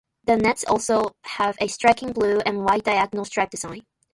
The nets also have a striking blue and white diagonal stripe design.